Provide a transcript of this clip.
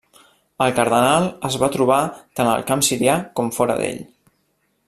El cardenal es va trobar tant al camp sirià com fora d'ell.